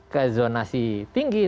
ke zonasi tinggi